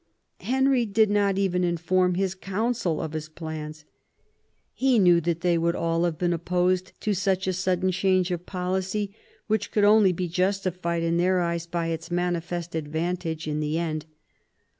Henry did not even inform his Council of his plans. He knew that they would all have been opposed to such a sudden change of policy, which could only be justified in their eyes by its manifest advantage in the end.